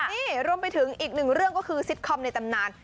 นี่รวมไปถึงอีกหนึ่งเรื่องก็คือซิตคอมในตำนาน